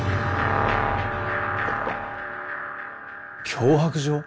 脅迫状？